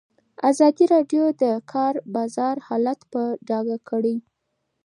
ازادي راډیو د د کار بازار حالت په ډاګه کړی.